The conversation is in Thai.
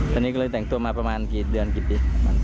ตอนนี้ก็เลยแต่งตัวมาประมาณกี่เดือนกี่ปี